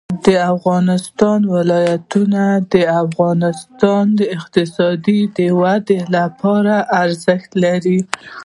د افغانستان ولايتونه د افغانستان د اقتصادي ودې لپاره ارزښت لري.